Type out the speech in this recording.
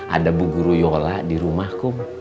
ada bu guru yola di rumahku